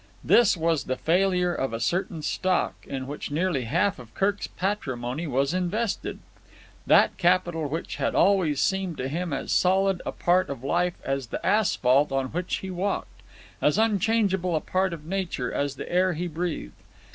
This was the failure of a certain stock in which nearly half of Kirk's patrimony was invested, that capital which had always seemed to him as solid a part of life as the asphalt on which he walked, as unchangeable a part of nature as the air he breathed.